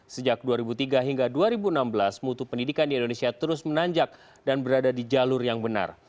sejak dua ribu tiga hingga dua ribu enam belas mutu pendidikan di indonesia terus menanjak dan berada di jalur yang benar